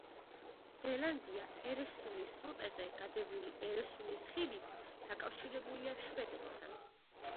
ზელანდია ერესუნის სრუტეზე გადებული ერესუნის ხიდით დაკავშირებულია შვედეთთან.